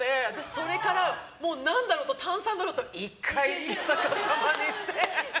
それから、何だろうと炭酸だろうと１回、逆さまにして。